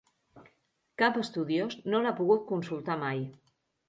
Cap estudiós no l'ha pogut consultar mai.